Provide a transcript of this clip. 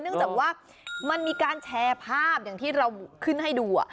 เนื่องจากว่ามันมีการแชร์ภาพอย่างที่เราขึ้นให้ดู